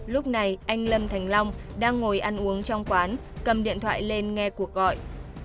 lúc này anh lâm thành long đang ngồi ăn uống trong quán cầm điện thoại lên nghe cuộc gọi